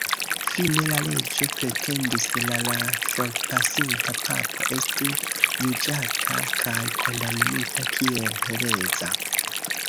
Fine la reĝo pretendis la la forpasinta papo estu juĝata kaj kondamnita kiel hereza.